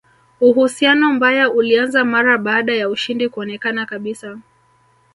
Uhusiano mbaya ulianza mara baada ya ushindi kuonekana kabisa